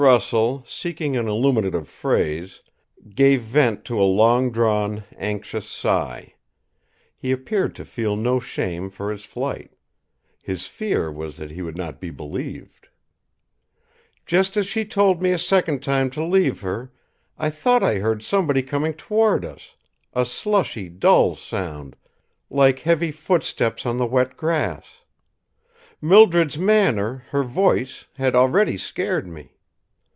Russell, seeking an illuminative phrase, gave vent to a long drawn, anxious sigh. He appeared to feel no shame for his flight. His fear was that he would not be believed. "Just as she told me a second time to leave her, I thought I heard somebody coming toward us, a slushy, dull sound, like heavy footsteps on the wet grass. Mildred's manner, her voice, had already scared me.